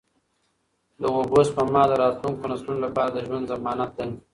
د اوبو سپما د راتلونکو نسلونو لپاره د ژوند ضمانت دی.